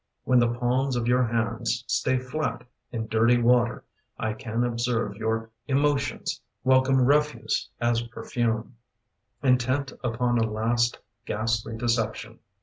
When the palms of your hands Stay flat in dirty water I can observe your emotions Welcome refuse as perfume, Intent upon a last ghastly deception.